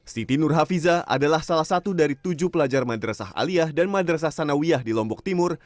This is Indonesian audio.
siti nur hafiza adalah salah satu dari tujuh pelajar madrasah aliyah dan madrasah sanawiyah di lombok timur